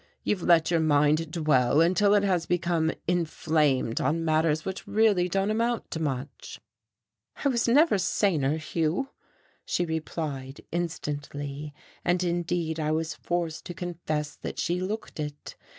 You've let your mind dwell until it has become inflamed on matters which really don't amount to much." "I was never saner, Hugh," she replied instantly. And indeed I was forced to confess that she looked it.